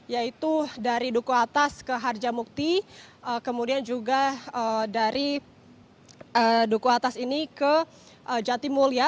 yaitu dari duku atas ke harjamukti kemudian juga dari duku atas ini ke jatimulya